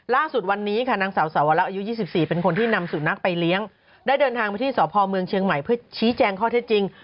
ล่าสุดวันนี้ค่ะนางสาวสาวละอายุ๒๔เป็นคนที่นำสุนัขไปเลี้ยงได้เดินทางไปที่สพเมืองเชียงใหม่เพื่อชี้แจงข้อเท็จจริง